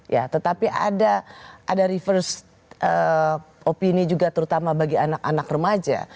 ya tetapi ada reverse opini juga terutama bagi anak anak remaja